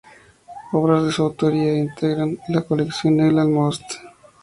Obras de su autoría integran la colección Engelman-Ost.